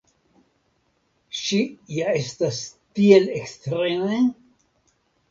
Ŝi ja estas tiel ekstreme?